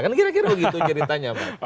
kan kira kira begitu ceritanya pak